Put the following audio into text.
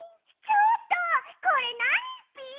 ちょっとこれなにッピ？